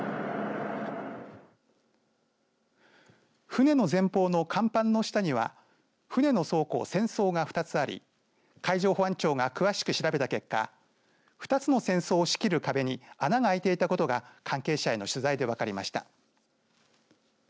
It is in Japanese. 船の前方の甲板の下には船の倉庫、船倉が２つあり海上保安庁が詳しく調べた結果２つの船倉を仕切る壁に穴があいていたことが関係者への取材で分かりました。